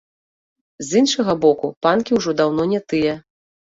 З іншага боку, панкі ўжо даўно не тыя.